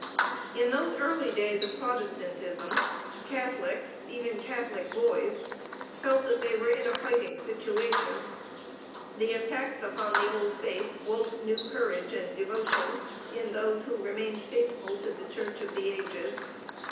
In those early days of Protestantism, Catholics, even Catholic boys, felt that they were in a fighting situation. The attacks upon the old faith woke new courage and devotion in those who remained faithful to the Church of the ages.